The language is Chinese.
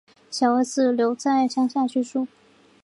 小儿子留在乡下居住